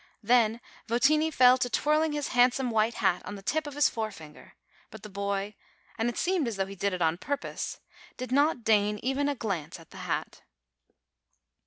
Then Votini fell to twirling his handsome white hat on the tip of his forefinger; but the boy and it seemed as though he did it on purpose did not deign even a glance at the hat.